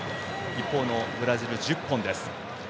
一方のブラジル、１０本です。